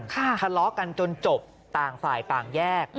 ทะเลาะกันจนจบต่างฝ่ายต่างแยก